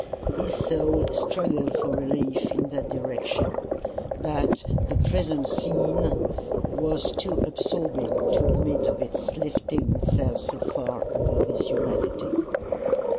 His soul struggled for relief in that direction, but the present scene was too absorbing to admit of its lifting itself so far above his humanity.